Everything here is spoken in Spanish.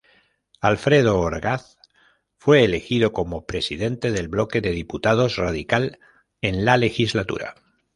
Alfredo Orgaz fue elegido como presidente del bloque de diputados radical en la legislatura.